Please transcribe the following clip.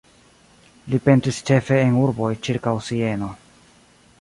Li pentris ĉefe en urboj ĉirkaŭ Sieno.